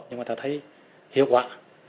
nhưng mà thật thấy hiệu quả